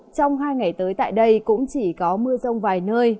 trong hai ngày tới tại đây cũng chỉ có mưa rông vài nơi